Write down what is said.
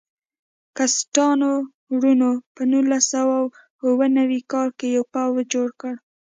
کسټانو وروڼو په نولس سوه اوه نوي کال کې یو پوځ جوړ کړ.